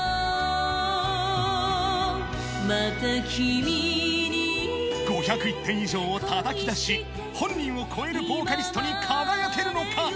また君に５０１点以上をたたき出し本人を超えるボーカリストに輝けるのか？